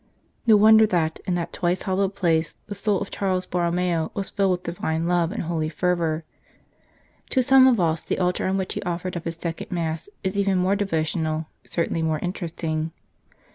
No wonder that in that twice hallowed place the soul of Charles Borromeo was filled with Divine love and holy fervour. To some of us the altar on which he offered up his second Mass is even more devotional, certainly more interesting.